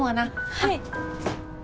はい！